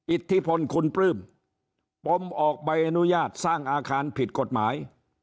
อิทธิพลคุณปลื้มปมออกใบอนุญาตสร้างอาคารผิดกฎหมาย